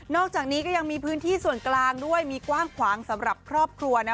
อกจากนี้ก็ยังมีพื้นที่ส่วนกลางด้วยมีกว้างขวางสำหรับครอบครัว